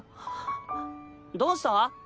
どうした？